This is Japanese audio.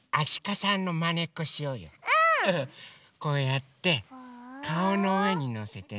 こうやってかおのうえにのせてね。